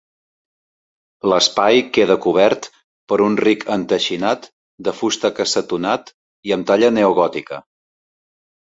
L'espai queda cobert per un ric enteixinat de fusta cassetonat i amb talla neogòtica.